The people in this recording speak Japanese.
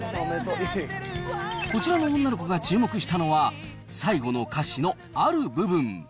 こちらの女の子が注目したのは、最後の歌詞のある部分。